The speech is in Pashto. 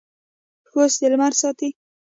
پوست د لمر ساتي.